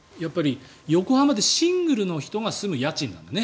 横浜はシングルの人が住む家賃なんだね。